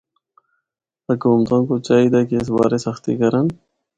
حکومتاں کو چاہیدا کہ اس بارے سختی کرن۔